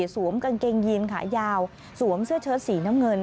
กางเกงยีนขายาวสวมเสื้อเชิดสีน้ำเงิน